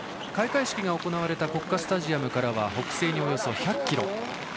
開会式が行われた国家スタジアムからは北西におよそ１００ｋｍ。